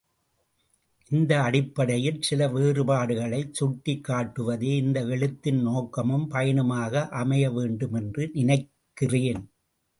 இந்த அடிப்படையில் சில வேறுபாடுகளைச் சுட்டிக் காட்டுவதே இந்த எழுத்தின் நோக்கமும் பயனுமாக அமையவேண்டும் என்று நினைக்கிறேன்.